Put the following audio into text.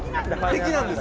敵なんです。